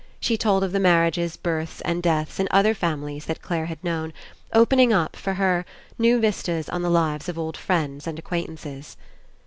She told of the marriages, births and deaths In other families that Clare had known, opening up, for her, new vistas on the lives of old friends and acquaintances.